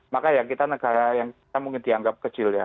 maka ya kita negara yang kita mungkin dianggap kecil ya